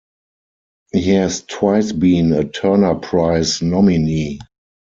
He has twice been a Turner Prize nominee.